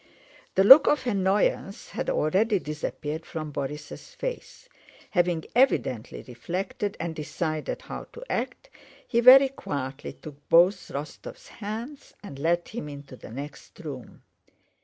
The look of annoyance had already disappeared from Borís' face: having evidently reflected and decided how to act, he very quietly took both Rostóv's hands and led him into the next room.